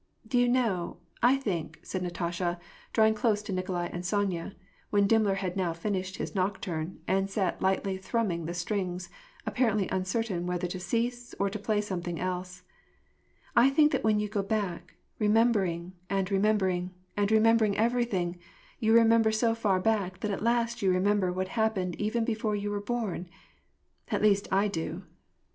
'^Do you know, I think," said Natasha, drawing closer to Nikolai and Sonya, when Dimmler had now finished his noc turne, and sat lightly thrumming the strings, apparently un certain whether to cease, or to play something else, — "I think that when you go back, remembering, and remembering, and remembering everything, you remember so far back, that at last you remember what happened even before you were born — at least I do."